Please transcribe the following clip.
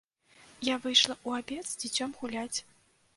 Я выйшла ў абед з дзіцем гуляць.